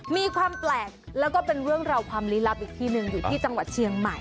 มีความแปลกแล้วก็เป็นเรื่องราวความลี้ลับอีกทีหนึ่งอยู่ที่จังหวัดเชียงใหม่